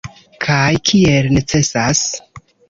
Kaj kiel necesas.